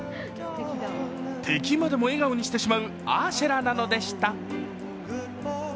敵までも笑顔にしてしまうアーシェラなのでした。